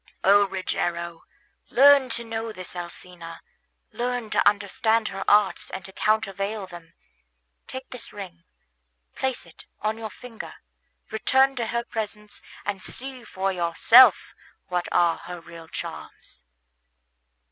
O Rogero, learn to know this Alcina, learn to understand her arts and to countervail them. Take this ring, place it on your finger, return to her presence, and see for yourself what are her real charms."